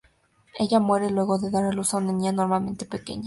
Ella muere luego de dar a luz a una niña anormalmente pequeña.